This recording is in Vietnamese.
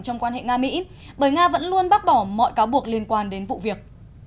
trong quan hệ nga mỹ bởi nga vẫn luôn bác bỏ mọi cáo buộc liên quan đến vụ việc